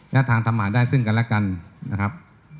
และทางทำหมาได้ซึ่งกันและกันนะครับ